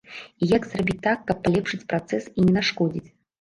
І як зрабіць так, каб палепшыць працэс і не нашкодзіць?